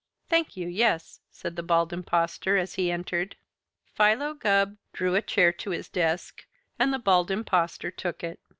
"Thank you, yes," said the Bald Impostor, as he entered. Philo Gubb drew a chair to his desk, and the Bald Impostor took it.